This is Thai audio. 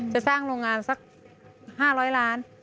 จะสร้างโรงงานสัก๕๐๐ล้าน